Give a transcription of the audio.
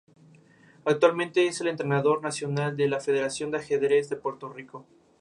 Actualmente es el entrenador nacional de la Federación de Ajedrez de Puerto Rico.